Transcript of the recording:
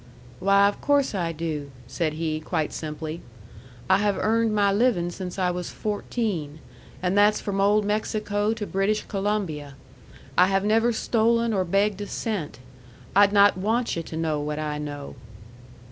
"Why, of course I do," said he, quite simply. "I have earned my living since I was fourteen. And that's from old Mexico to British Columbia. I have never stolen or begged a cent. I'd not want yu' to know what I know."